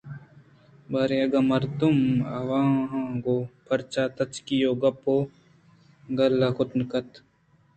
باریں اگاں مردم آواں گوں پرچا تچکی ءَ گپ ءُگال کُت نہ کنت